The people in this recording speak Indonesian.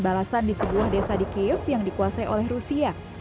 balasan di sebuah desa di kiev yang dikuasai oleh rusia